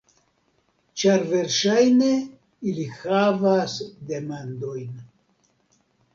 Ĉar versaĵne ili havas demandojn